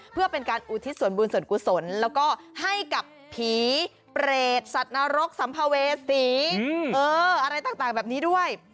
เพื่อเป็นการอุทิศส่วนบุญส่วนกุศลแล้วก็ให้กับผีเปรตสัตว์นรกสัมภเวษีอะไรต่างแบบนี้ด้วย